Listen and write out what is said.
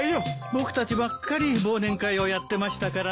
僕たちばっかり忘年会をやってましたからね。